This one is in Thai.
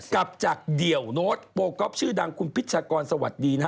กลับจากเดี่ยวโน้ตโปรก๊อปชื่อดังคุณพิชชากรสวัสดีนะฮะ